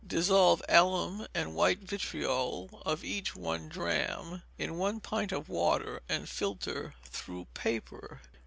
Dissolve alum and white vitriol, of each one drachm, in one pint of water, and filter through paper.